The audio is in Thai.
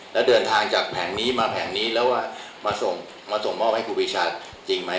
แล้วเดินทางจากแผงนี้มาแผงนี้แล้วว่ามาส่งมาส่งมอบให้ครูปีชาจริงไหม